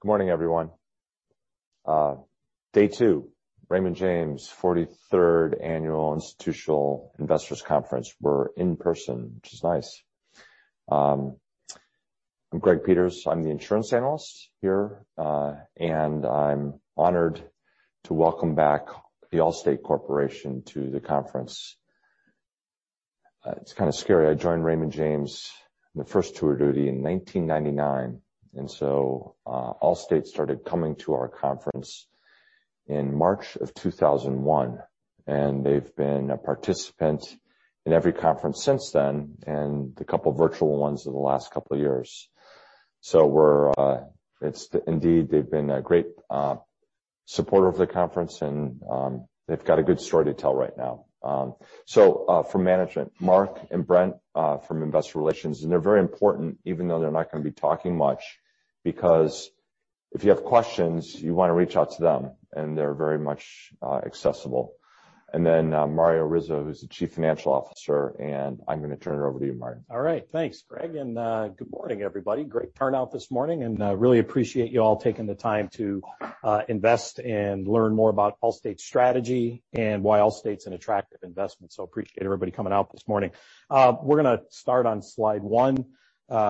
Good morning, everyone. Day two, Raymond James 43rd Annual Institutional Investors Conference. We're in person, which is nice. I'm Greg Peters. I'm the insurance analyst here, and I'm honored to welcome back The Allstate Corporation to the conference. It's kind of scary. I joined Raymond James on the first tour duty in 1999. Allstate started coming to our conference in March of 2001, and they've been a participant in every conference since then, and the couple of virtual ones in the last couple of years. Indeed, they've been a great supporter of the conference and they've got a good story to tell right now. For management, Mark and Brent, from Investor Relations, and they're very important even though they're not going to be talking much, because if you have questions, you want to reach out to them, and they're very much accessible. Mario Rizzo, who's the Chief Financial Officer. I'm going to turn it over to you, Mark. All right. Thanks, Greg, and good morning, everybody. Great turnout this morning, and really appreciate you all taking the time to invest and learn more about Allstate's strategy and why Allstate's an attractive investment. Appreciate everybody coming out this morning. We're going to start on slide one,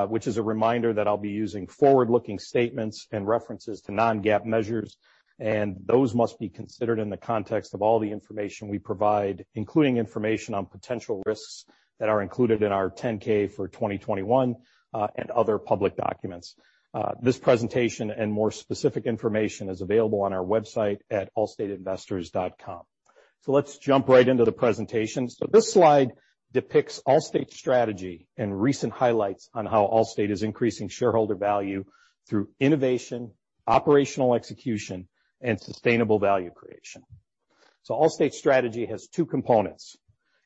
which is a reminder that I'll be using forward-looking statements and references to non-GAAP measures, and those must be considered in the context of all the information we provide, including information on potential risks that are included in our 10-K for 2021, and other public documents. This presentation and more specific information is available on our website at allstateinvestors.com. Let's jump right into the presentation. This slide depicts Allstate's strategy and recent highlights on how Allstate is increasing shareholder value through innovation, operational execution, and sustainable value creation. Allstate's strategy has two components,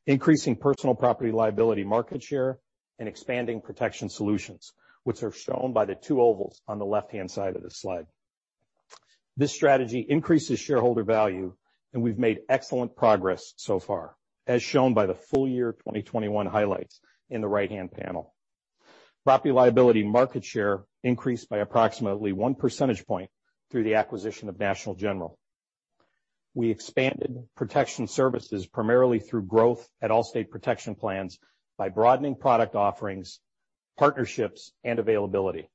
increasing personal property liability market share, and expanding protection solutions, which are shown by the two ovals on the left-hand side of this slide. This strategy increases shareholder value, and we've made excellent progress so far, as shown by the full year 2021 highlights in the right-hand panel. Property liability market share increased by approximately one percentage point through the acquisition of National General. We expanded protection services primarily through growth at Allstate Protection Plans by broadening product offerings, partnerships, and availability.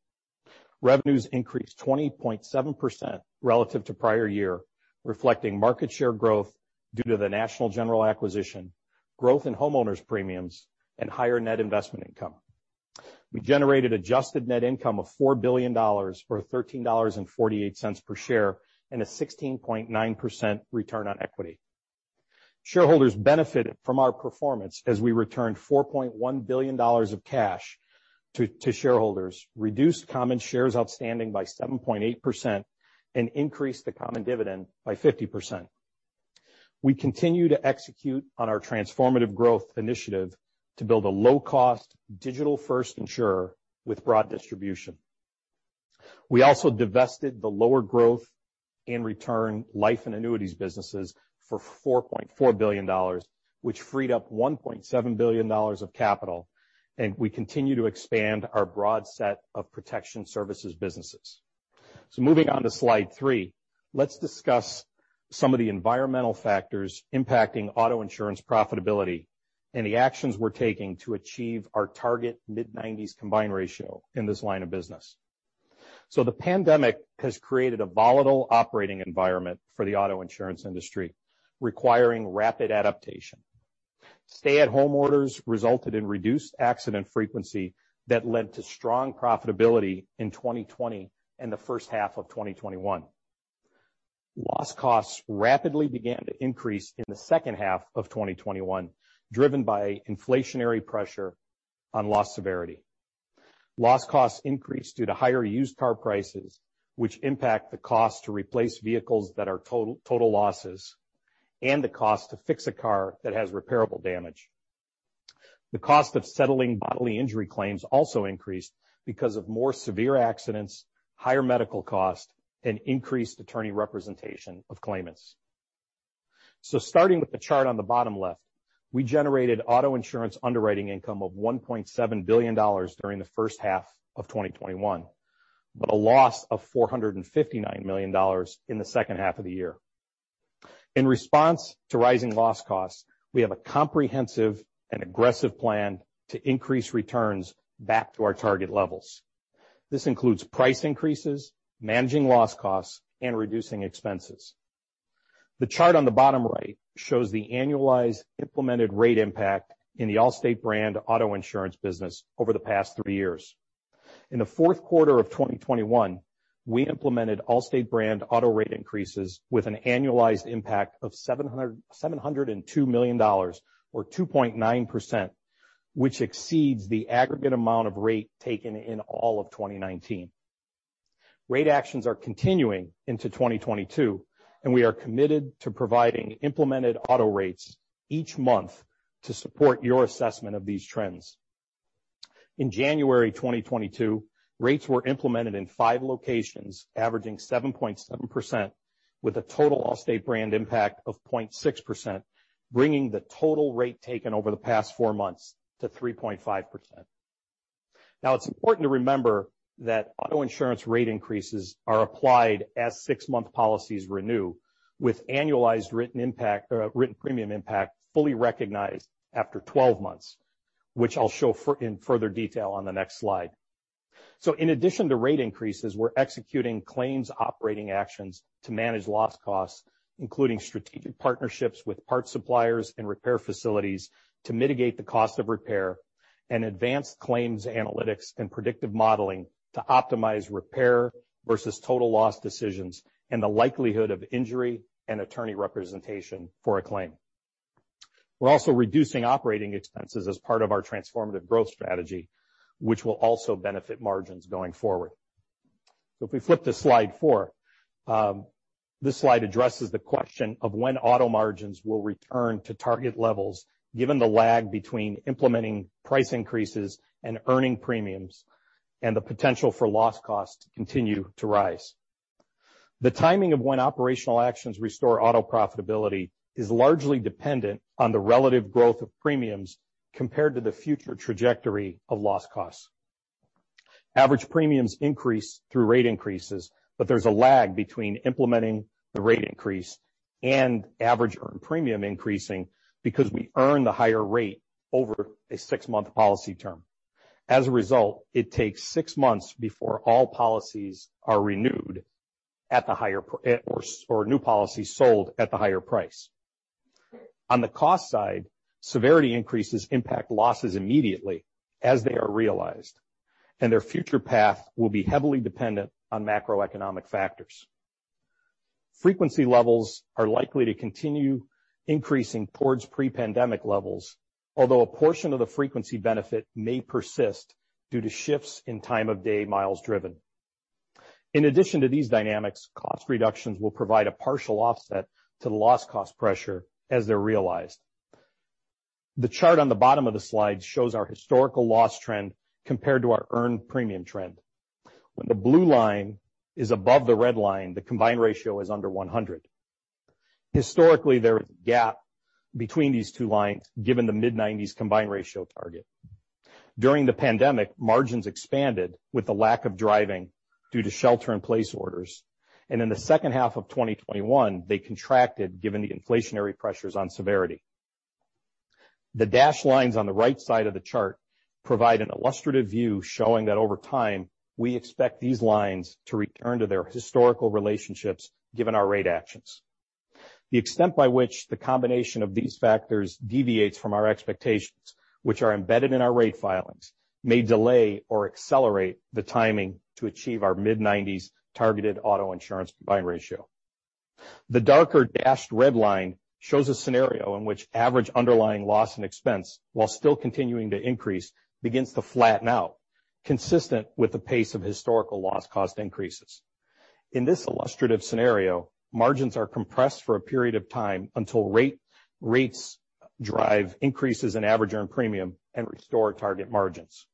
Revenues increased 20.7% relative to prior year, reflecting market share growth due to the National General acquisition, growth in homeowners' premiums, and higher net investment income. We generated adjusted net income of $4 billion or $13.48 per share and a 16.9% Return on Equity. Shareholders benefited from our performance as we returned $4.1 billion of cash to shareholders, reduced common shares outstanding by 7.8%, and increased the common dividend by 50%. We continue to execute on our Transformative Growth initiative to build a low-cost digital-first insurer with broad distribution. We also divested the lower growth in return life and annuities businesses for $4.4 billion, which freed up $1.7 billion of capital, and we continue to expand our broad set of protection services businesses. Moving on to slide three, let's discuss some of the environmental factors impacting auto insurance profitability and the actions we're taking to achieve our target mid-90s combined ratio in this line of business. The pandemic has created a volatile operating environment for the auto insurance industry, requiring rapid adaptation. Stay-at-home orders resulted in reduced accident frequency that led to strong profitability in 2020 and the first half of 2021. Loss costs rapidly began to increase in the second half of 2021, driven by inflationary pressure on loss severity. Loss costs increased due to higher used car prices, which impact the cost to replace vehicles that are total losses and the cost to fix a car that has repairable damage. The cost of settling bodily injury claims also increased because of more severe accidents, higher medical cost, and increased attorney representation of claimants. Starting with the chart on the bottom left, we generated auto insurance underwriting income of $1.7 billion during the first half of 2021, but a loss of $459 million in the second half of the year. In response to rising loss costs, we have a comprehensive and aggressive plan to increase returns back to our target levels. This includes price increases, managing loss costs, and reducing expenses. The chart on the bottom right shows the annualized implemented rate impact in the Allstate brand auto insurance business over the past three years. In the fourth quarter of 2021, we implemented Allstate brand auto rate increases with an annualized impact of $702 million or 2.9%, which exceeds the aggregate amount of rate taken in all of 2019. Rate actions are continuing into 2022, and we are committed to providing implemented auto rates each month to support your assessment of these trends. In January 2022, rates were implemented in five locations, averaging 7.7%. With a total Allstate brand impact of 0.6%, bringing the total rate taken over the past four months to 3.5%. It's important to remember that auto insurance rate increases are applied as six-month policies renew, with annualized written premium impact fully recognized after 12 months, which I'll show in further detail on the next slide. In addition to rate increases, we're executing claims operating actions to manage loss costs, including strategic partnerships with parts suppliers and repair facilities to mitigate the cost of repair, and advanced claims analytics and predictive modeling to optimize repair versus total loss decisions, and the likelihood of injury and attorney representation for a claim. We're also reducing operating expenses as part of our Transformative Growth strategy, which will also benefit margins going forward. If we flip to slide four, this slide addresses the question of when auto margins will return to target levels, given the lag between implementing price increases and earning premiums, and the potential for loss costs to continue to rise. The timing of when operational actions restore auto profitability is largely dependent on the relative growth of premiums compared to the future trajectory of loss costs. Average premiums increase through rate increases, but there's a lag between implementing the rate increase and average earned premium increasing because we earn the higher rate over a six-month policy term. As a result, it takes six months before all policies are renewed at the higher or new policies sold at the higher price. On the cost side, severity increases impact losses immediately as they are realized, and their future path will be heavily dependent on macroeconomic factors. Frequency levels are likely to continue increasing towards pre-pandemic levels, although a portion of the frequency benefit may persist due to shifts in time-of-day miles driven. In addition to these dynamics, cost reductions will provide a partial offset to the loss cost pressure as they're realized. The chart on the bottom of the slide shows our historical loss trend compared to our earned premium trend. When the blue line is above the red line, the combined ratio is under 100. Historically, there is a gap between these two lines, given the mid-'90s combined ratio target. During the pandemic, margins expanded with the lack of driving due to shelter-in-place orders, and in the second half of 2021, they contracted, given the inflationary pressures on severity. The dashed lines on the right side of the chart provide an illustrative view showing that over time, we expect these lines to return to their historical relationships, given our rate actions. The extent by which the combination of these factors deviates from our expectations, which are embedded in our rate filings, may delay or accelerate the timing to achieve our mid-'90s targeted auto insurance combined ratio. The darker dashed red line shows a scenario in which average underlying loss and expense, while still continuing to increase, begins to flatten out, consistent with the pace of historical loss cost increases. In this illustrative scenario, margins are compressed for a period of time until rates drive increases in average earned premium and restore target margins.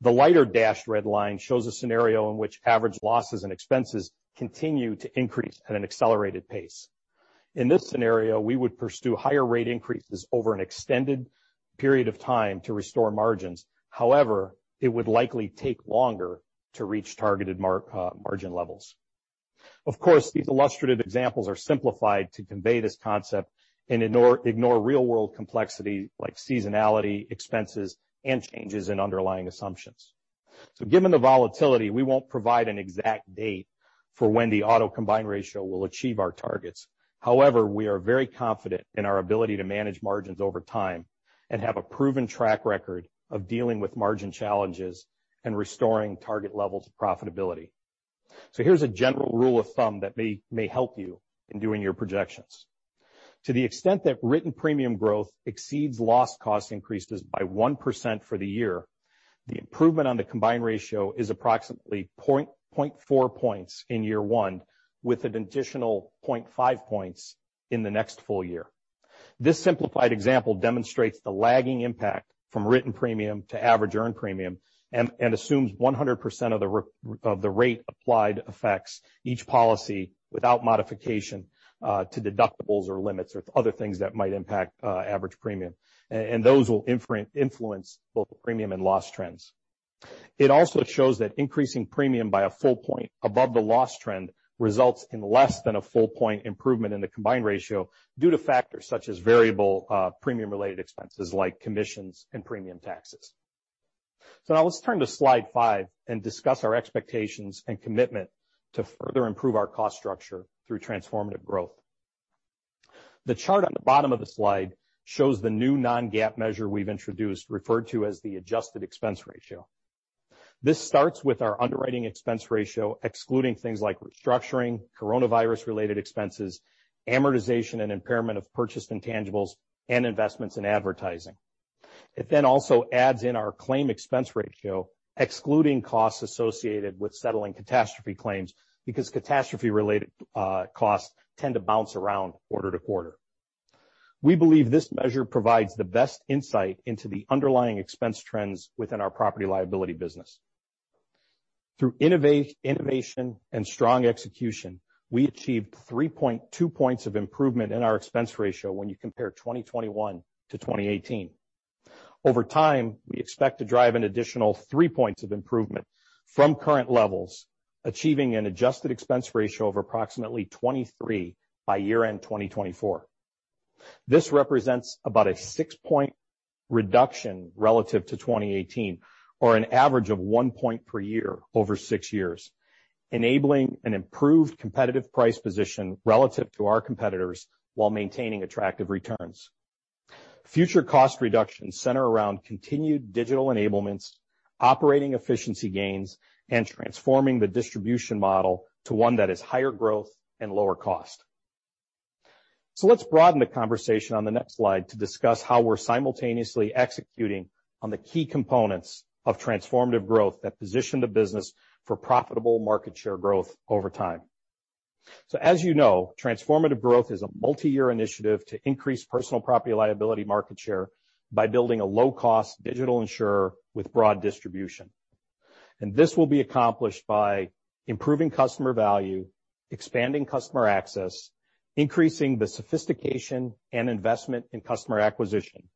The lighter dashed red line shows a scenario in which average losses and expenses continue to increase at an accelerated pace. In this scenario, we would pursue higher rate increases over an extended period of time to restore margins. However, it would likely take longer to reach targeted margin levels. Of course, these illustrative examples are simplified to convey this concept and ignore real-world complexity like seasonality, expenses, and changes in underlying assumptions. Given the volatility, we won't provide an exact date for when the auto combined ratio will achieve our targets. However, we are very confident in our ability to manage margins over time and have a proven track record of dealing with margin challenges and restoring target levels of profitability. Here's a general rule of thumb that may help you in doing your projections. To the extent that written premium growth exceeds loss cost increases by 1% for the year, the improvement on the combined ratio is approximately 0.4 points in year one, with an additional 0.5 points in the next full year. This simplified example demonstrates the lagging impact from written premium to average earned premium and assumes 100% of the rate applied affects each policy without modification to deductibles or limits or other things that might impact average premium. Those will influence both premium and loss trends. It also shows that increasing premium by a full point above the loss trend results in less than a full point improvement in the combined ratio due to factors such as variable premium-related expenses like commissions and premium taxes. Now let's turn to slide five and discuss our expectations and commitment to further improve our cost structure through Transformative Growth. The chart on the bottom of the slide shows the new non-GAAP measure we've introduced, referred to as the adjusted expense ratio. This starts with our underwriting expense ratio, excluding things like restructuring, coronavirus-related expenses, amortization and impairment of purchased intangibles, and investments in advertising. It then also adds in our claim expense ratio, excluding costs associated with settling catastrophe claims, because catastrophe-related costs tend to bounce around quarter-to-quarter. We believe this measure provides the best insight into the underlying expense trends within our property liability business. Through innovation and strong execution, we achieved 3.2 points of improvement in our expense ratio when you compare 2021 to 2018. Over time, we expect to drive an additional three points of improvement from current levels, achieving an adjusted expense ratio of approximately 23 by year-end 2024. This represents about a six-point reduction relative to 2018 or an average of one point per year over six years, enabling an improved competitive price position relative to our competitors while maintaining attractive returns. Future cost reductions center around continued digital enablements, operating efficiency gains, and transforming the distribution model to one that is higher growth and lower cost. Let's broaden the conversation on the next slide to discuss how we're simultaneously executing on the key components of Transformative Growth that position the business for profitable market share growth over time. As you know, Transformative Growth is a multi-year initiative to increase personal property liability market share by building a low-cost digital insurer with broad distribution. This will be accomplished by improving customer value, expanding customer access, increasing the sophistication and investment in customer acquisition,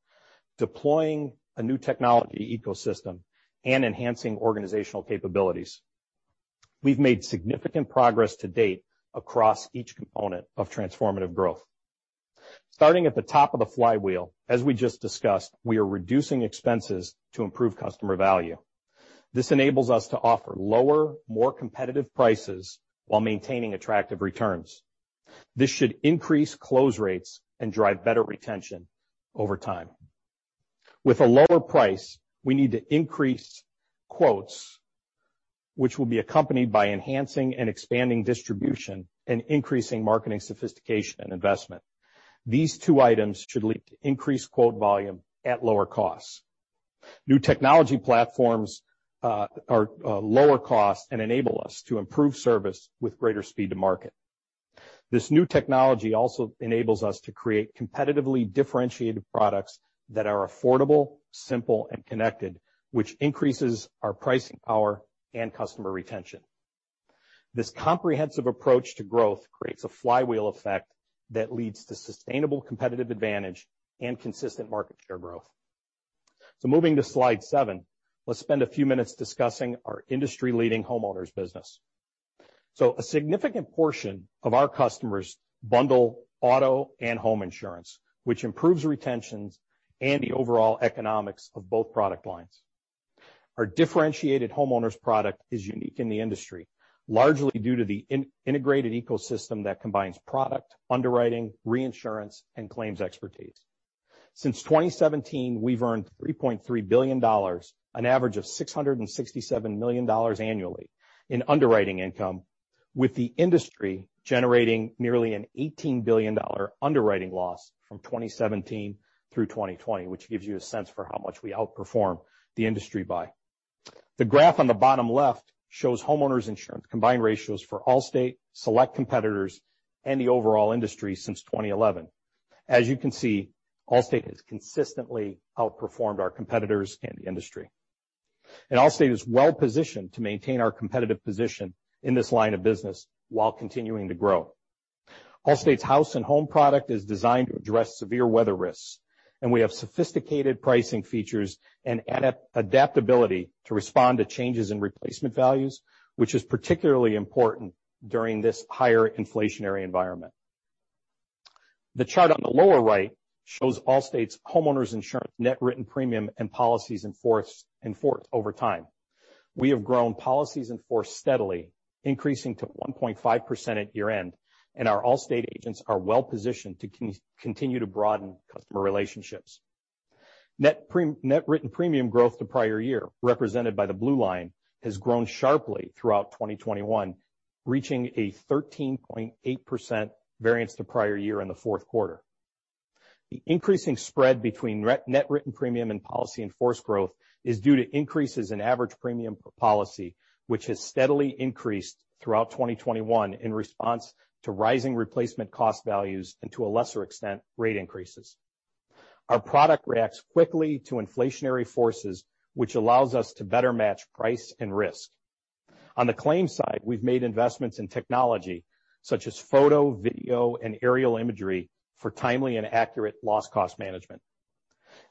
deploying a new technology ecosystem, and enhancing organizational capabilities. We've made significant progress to date across each component of Transformative Growth. Starting at the top of the flywheel, as we just discussed, we are reducing expenses to improve customer value. This enables us to offer lower, more competitive prices while maintaining attractive returns. This should increase close rates and drive better retention over time. With a lower price, we need to increase quotes, which will be accompanied by enhancing and expanding distribution and increasing marketing sophistication and investment. These two items should lead to increased quote volume at lower costs. New technology platforms are lower cost and enable us to improve service with greater speed to market. This new technology also enables us to create competitively differentiated products that are affordable, simple, and connected, which increases our pricing power and customer retention. This comprehensive approach to growth creates a flywheel effect that leads to sustainable competitive advantage and consistent market share growth. Moving to slide seven, let's spend a few minutes discussing our industry-leading homeowners business. A significant portion of our customers bundle auto and home insurance, which improves retentions and the overall economics of both product lines. Our differentiated homeowners product is unique in the industry, largely due to the integrated ecosystem that combines product, underwriting, reinsurance, and claims expertise. Since 2017, we've earned $3.3 billion, an average of $667 million annually in underwriting income, with the industry generating nearly an $18 billion underwriting loss from 2017 through 2020, which gives you a sense for how much we outperform the industry by. The graph on the bottom left shows homeowners insurance combined ratios for Allstate, select competitors, and the overall industry since 2011. As you can see, Allstate has consistently outperformed our competitors and the industry. Allstate is well-positioned to maintain our competitive position in this line of business while continuing to grow. Allstate's House & Home product is designed to address severe weather risks, and we have sophisticated pricing features and adaptability to respond to changes in replacement values, which is particularly important during this higher inflationary environment. The chart on the lower right shows Allstate's homeowners insurance net written premium and policies in force over time. We have grown policies in force steadily, increasing to 1.5% at year-end. Our Allstate agents are well-positioned to continue to broaden customer relationships. Net written premium growth to prior year, represented by the blue line, has grown sharply throughout 2021, reaching a 13.8% variance to prior year in the fourth quarter. The increasing spread between net written premium and policy in force growth is due to increases in average premium per policy, which has steadily increased throughout 2021 in response to rising replacement cost values and to a lesser extent, rate increases. Our product reacts quickly to inflationary forces, which allows us to better match price and risk. On the claims side, we've made investments in technology such as photo, video, and aerial imagery for timely and accurate loss cost management.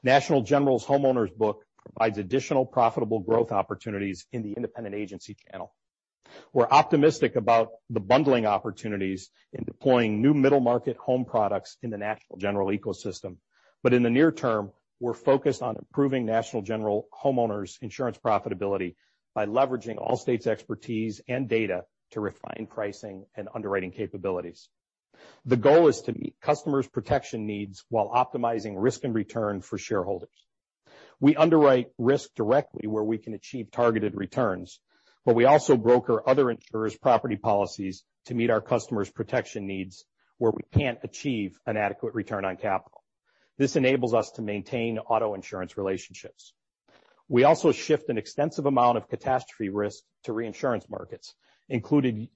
National General's homeowners book provides additional profitable growth opportunities in the independent agency channel. We're optimistic about the bundling opportunities in deploying new middle market home products in the National General ecosystem. In the near term, we're focused on improving National General homeowners insurance profitability by leveraging Allstate's expertise and data to refine pricing and underwriting capabilities. The goal is to meet customers' protection needs while optimizing risk and return for shareholders. We underwrite risk directly where we can achieve targeted returns, but we also broker other insurers' property policies to meet our customers' protection needs where we can't achieve an adequate return on capital. This enables us to maintain auto insurance relationships. We also shift an extensive amount of catastrophe risk to reinsurance markets, including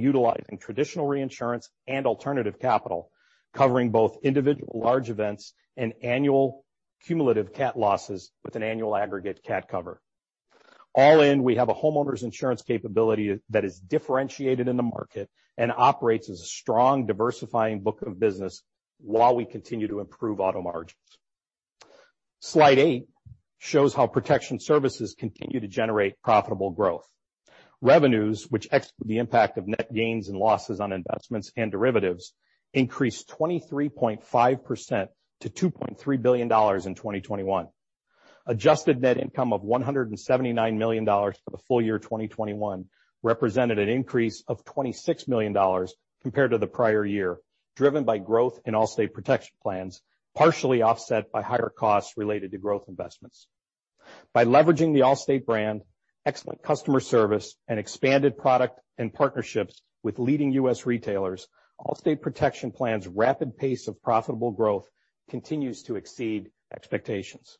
utilizing traditional reinsurance and alternative capital, covering both individual large events and annual cumulative cat losses with an annual aggregate cat cover. All in, we have a homeowners insurance capability that is differentiated in the market and operates as a strong diversifying book of business while we continue to improve auto margins. Slide eight shows how protection services continue to generate profitable growth. Revenues, which exclude the impact of net gains and losses on investments and derivatives, increased 23.5% to $2.3 billion in 2021. Adjusted net income of $179 million for the full year 2021 represented an increase of $26 million compared to the prior year, driven by growth in Allstate Protection Plans, partially offset by higher costs related to growth investments. By leveraging the Allstate brand, excellent customer service, and expanded product and partnerships with leading U.S. retailers, Allstate Protection Plans' rapid pace of profitable growth continues to exceed expectations.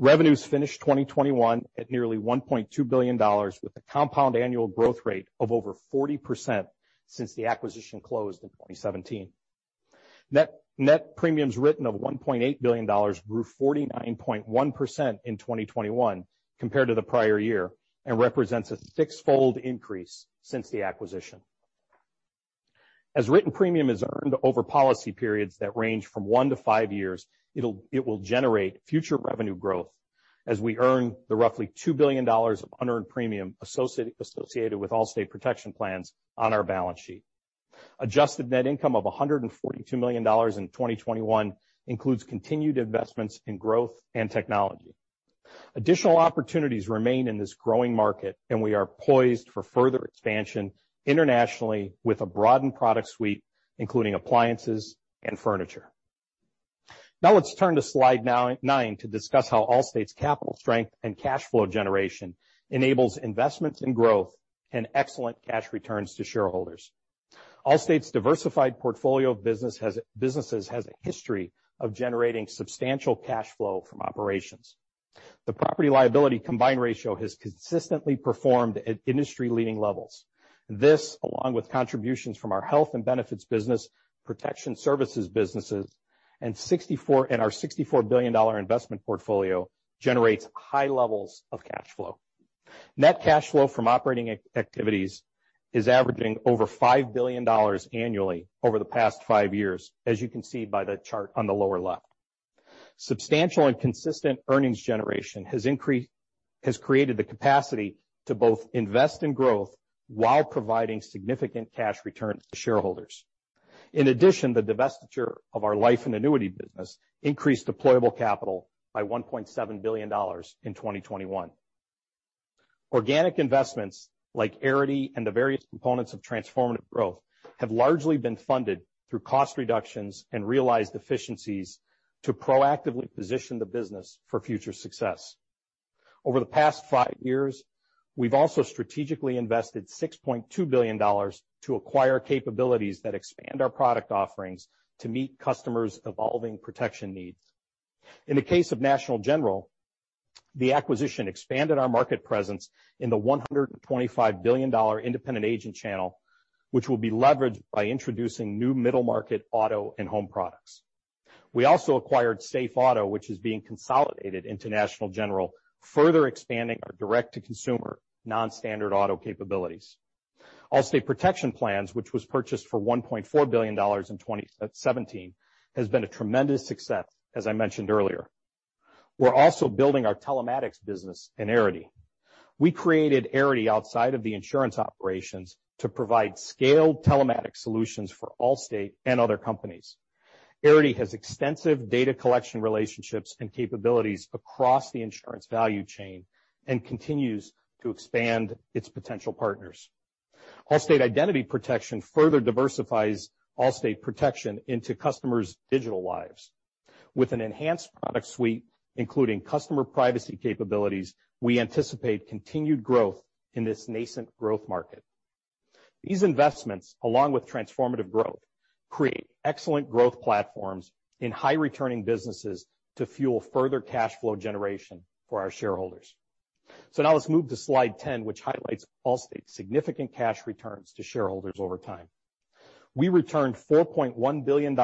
Revenues finished 2021 at nearly $1.2 billion with a compound annual growth rate of over 40% since the acquisition closed in 2017. Net written premium of $1.8 billion grew 49.1% in 2021 compared to the prior year and represents a six-fold increase since the acquisition. As written premium is earned over policy periods that range from one to five years, it will generate future revenue growth as we earn the roughly $2 billion of unearned premium associated with Allstate Protection Plans on our balance sheet. Adjusted net income of $142 million in 2021 includes continued investments in growth and technology. Additional opportunities remain in this growing market. We are poised for further expansion internationally with a broadened product suite, including appliances and furniture. Let's turn to slide nine to discuss how Allstate's capital strength and cash flow generation enables investments in growth and excellent cash returns to shareholders. Allstate's diversified portfolio of businesses has a history of generating substantial cash flow from operations. The property liability combined ratio has consistently performed at industry-leading levels. This, along with contributions from our health and benefits business, protection services businesses, and our $64 billion investment portfolio, generates high levels of cash flow. Net cash flow from operating activities is averaging over $5 billion annually over the past five years, as you can see by the chart on the lower left. Substantial and consistent earnings generation has created the capacity to both invest in growth while providing significant cash returns to shareholders. In addition, the divestiture of our life and annuity business increased deployable capital by $1.7 billion in 2021. Organic investments like Arity and the various components of Transformative Growth have largely been funded through cost reductions and realized efficiencies to proactively position the business for future success. Over the past five years, we've also strategically invested $6.2 billion to acquire capabilities that expand our product offerings to meet customers' evolving protection needs. In the case of National General, the acquisition expanded our market presence in the $125 billion independent agent channel, which will be leveraged by introducing new middle market auto and home products. We also acquired SafeAuto, which is being consolidated into National General, further expanding our direct-to-consumer non-standard auto capabilities. Allstate Protection Plans, which was purchased for $1.4 billion in 2017, has been a tremendous success, as I mentioned earlier. We're also building our telematics business in Arity. We created Arity outside of the insurance operations to provide scaled telematics solutions for Allstate and other companies. Arity has extensive data collection relationships and capabilities across the insurance value chain and continues to expand its potential partners. Allstate Identity Protection further diversifies Allstate Protection into customers' digital lives. With an enhanced product suite, including customer privacy capabilities, we anticipate continued growth in this nascent growth market. These investments, along with Transformative Growth, create excellent growth platforms in high-returning businesses to fuel further cash flow generation for our shareholders. Let's move to slide 10, which highlights Allstate's significant cash returns to shareholders over time. We returned $4.1 billion in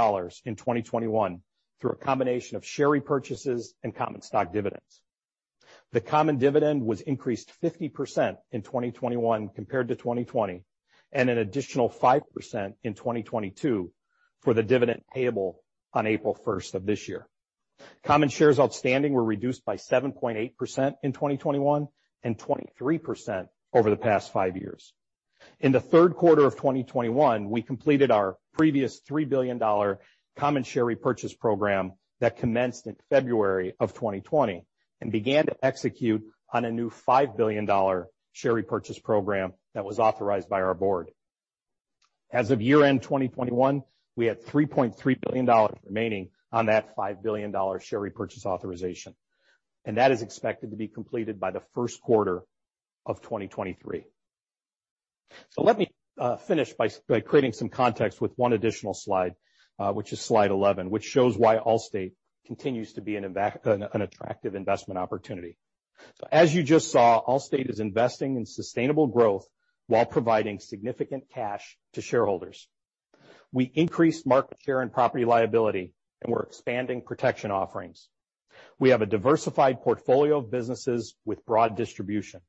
2021 through a combination of share repurchases and common stock dividends. The common dividend was increased 50% in 2021 compared to 2020, and an additional 5% in 2022 for the dividend payable on April 1st of this year. Common shares outstanding were reduced by 7.8% in 2021 and 23% over the past five years. In the third quarter of 2021, we completed our previous $3 billion common share repurchase program that commenced in February of 2020 and began to execute on a new $5 billion share repurchase program that was authorized by our board. As of year-end 2021, we had $3.3 billion remaining on that $5 billion share repurchase authorization, and that is expected to be completed by the first quarter of 2023. Let me finish by creating some context with one additional slide, which is slide 11, which shows why Allstate continues to be an attractive investment opportunity. As you just saw, Allstate is investing in sustainable growth while providing significant cash to shareholders. We increased market share and property liability, and we're expanding protection offerings. We have a diversified portfolio of businesses with broad distribution.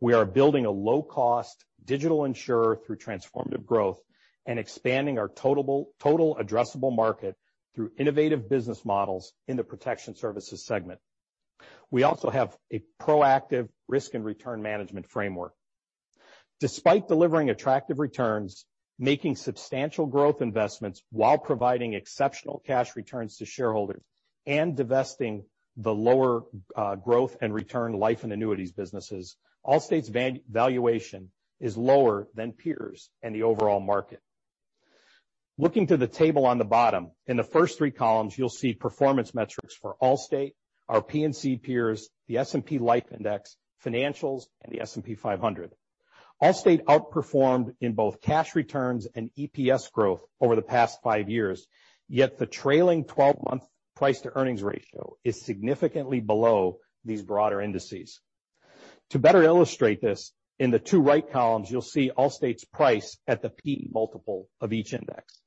We are building a low-cost digital insurer through Transformative Growth and expanding our total addressable market through innovative business models in the protection services segment. We also have a proactive risk and return management framework. Despite delivering attractive returns, making substantial growth investments while providing exceptional cash returns to shareholders, and divesting the lower growth and return life and annuities businesses, Allstate's valuation is lower than peers and the overall market. Looking to the table on the bottom, in the first three columns, you'll see performance metrics for Allstate, our P&C peers, the S&P Life Index, Financials, and the S&P 500. Allstate outperformed in both cash returns and EPS growth over the past five years, yet the trailing 12-month price to earnings ratio is significantly below these broader indices. To better illustrate this, in the two right columns, you'll see Allstate's price at the P/E multiple of each index.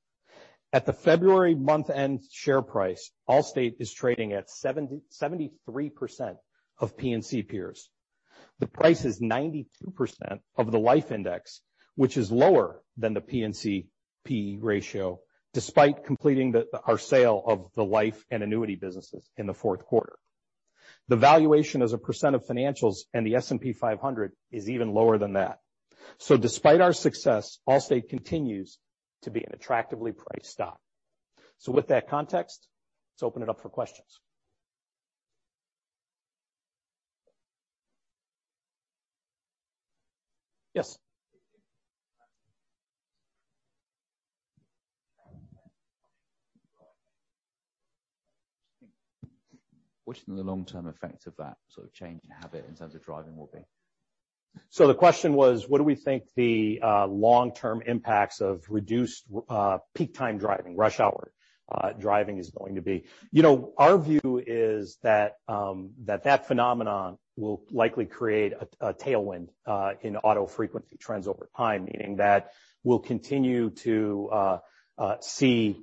At the February month-end share price, Allstate is trading at 73% of P&C peers. The price is 92% of the Life Index, which is lower than the P&C P/E ratio, despite completing our sale of the life and annuity businesses in the fourth quarter. The valuation as a percent of Financials and the S&P 500 is even lower than that. Despite our success, Allstate continues to be an attractively priced stock. With that context, let's open it up for questions. Yes. What do you think the long-term effect of that change in habit in terms of driving will be? The question was, what do we think the long-term impacts of reduced peak time driving, rush hour driving is going to be? Our view is that phenomenon will likely create a tailwind in auto frequency trends over time, meaning that we'll continue to see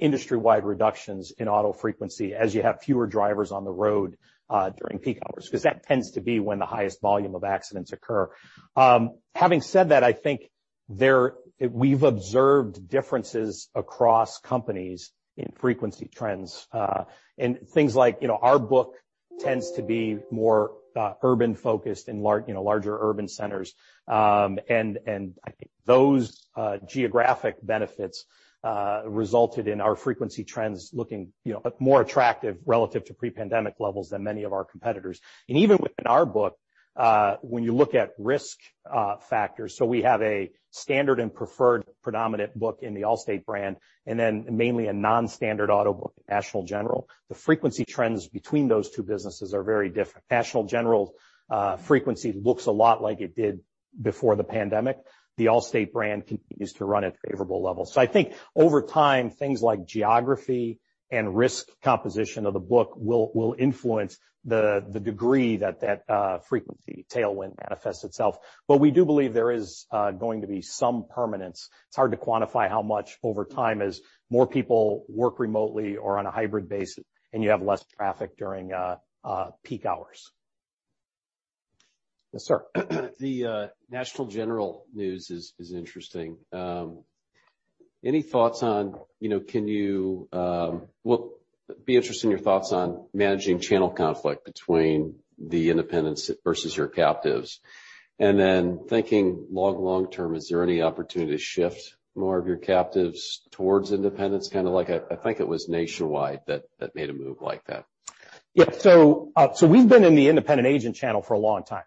industry-wide reductions in auto frequency as you have fewer drivers on the road during peak hours, because that tends to be when the highest volume of accidents occur. Having said that, I think we've observed differences across companies in frequency trends. In things like our book tends to be more urban-focused in larger urban centers. I think those geographic benefits resulted in our frequency trends looking more attractive relative to pre-pandemic levels than many of our competitors. Even within our book, when you look at risk factors, we have a standard and preferred predominant book in the Allstate brand, and then mainly a non-standard auto book at National General. The frequency trends between those two businesses are very different. National General's frequency looks a lot like it did before the pandemic. The Allstate brand continues to run at favorable levels. I think over time, things like geography and risk composition of the book will influence the degree that frequency tailwind manifests itself. We do believe there is going to be some permanence. It's hard to quantify how much over time as more people work remotely or on a hybrid basis and you have less traffic during peak hours. Yes, sir. The National General news is interesting. Be interested in your thoughts on managing channel conflict between the independents versus your captives. Then thinking long, long term, is there any opportunity to shift more of your captives towards independents? Kind of like, I think it was Nationwide that made a move like that. Yeah. We've been in the independent agent channel for a long time.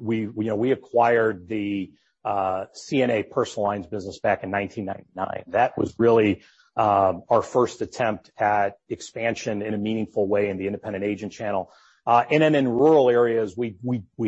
We acquired the CNA personal lines business back in 1999. That was really our first attempt at expansion in a meaningful way in the independent agent channel. Then in rural areas, we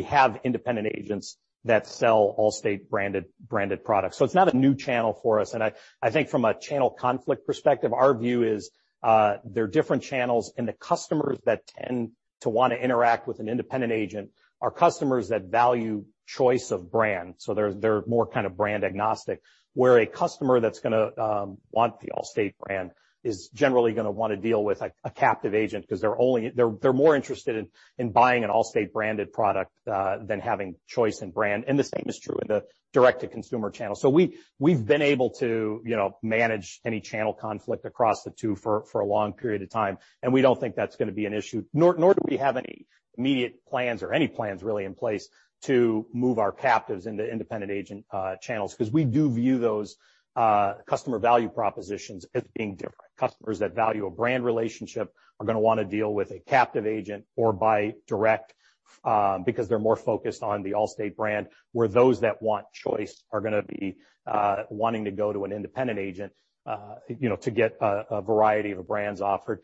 have independent agents that sell Allstate-branded products. It's not a new channel for us, and I think from a channel conflict perspective, our view is they're different channels, and the customers that tend to want to interact with an independent agent are customers that value choice of brand. They're more kind of brand agnostic, where a customer that's going to want the Allstate brand is generally going to want to deal with a captive agent because they're more interested in buying an Allstate-branded product than having choice in brand. The same is true in the direct-to-consumer channel. we've been able to manage any channel conflict across the two for a long period of time, we don't think that's going to be an issue, nor do we have any immediate plans or any plans really in place to move our captives into independent agent channels because we do view those customer value propositions as being different. Customers that value a brand relationship are going to want to deal with a captive agent or buy direct because they're more focused on the Allstate brand, where those that want choice are going to be wanting to go to an independent agent to get a variety of brands offered.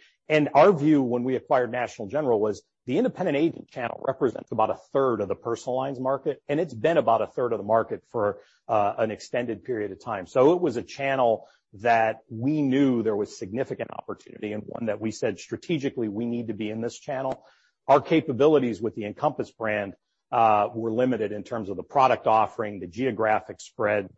Our view when we acquired National General was the independent agent channel represents about a third of the personal lines market, and it's been about a third of the market for an extended period of time. it was a channel that we knew there was significant opportunity and one that we said strategically we need to be in this channel. Our capabilities with the Encompass brand were limited in terms of the product offering, the geographic spread,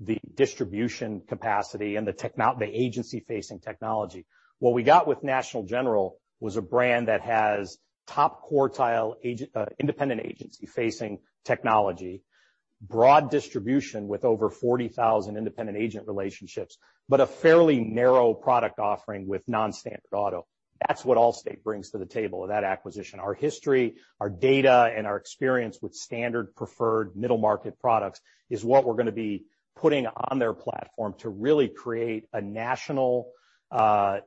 the distribution capacity, and the agency-facing technology. What we got with National General was a brand that has top quartile independent agency-facing technology, broad distribution with over 40,000 independent agent relationships, but a fairly narrow product offering with non-standard auto. That's what Allstate brings to the table with that acquisition. Our history, our data, and our experience with standard preferred middle-market products is what we're going to be putting on their platform to really create a national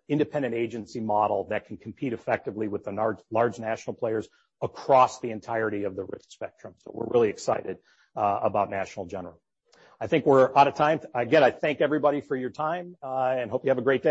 independent agency model that can compete effectively with the large national players across the entirety of the risk spectrum. we're really excited about National General. I think we're out of time. Again, I thank everybody for your time and hope you have a great day